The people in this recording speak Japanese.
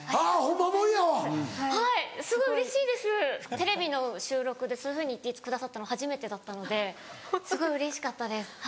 テレビの収録でそういうふうに言ってくださったの初めてだったのですごいうれしかったです。